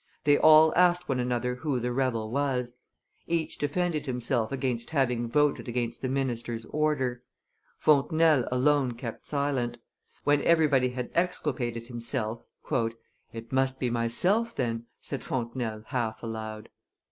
They all asked one another who the rebel was; each defended himself against having voted against the minister's order; Fontenelle alone kept silent; when everybody had exculpated himself, "It must be myself, then," said Fontenelle half aloud.